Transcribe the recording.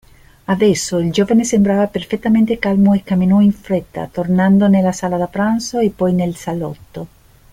Adesso, il giovane sembrava perfettamente calmo e camminò in fretta, tornando nella sala da pranzo e poi nel salotto.